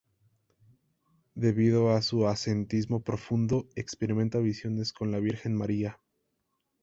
Debido a su ascetismo profundo, experimenta visiones con la Virgen María.